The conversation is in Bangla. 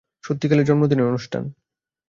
সত্যিকারের জন্মদিনের অনুষ্ঠান।